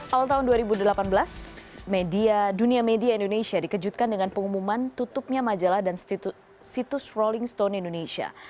awal tahun dua ribu delapan belas media media indonesia dikejutkan dengan pengumuman tutupnya majalah dan situs rolling stone indonesia